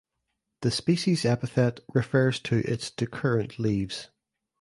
The species epithet refers to its decurrent leaves.